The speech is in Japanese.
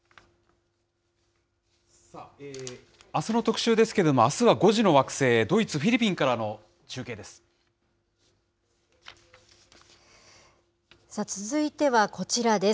あすの特集ですけれども、あすは５時の惑星、ドイツ、フィリさあ、続いてはこちらです。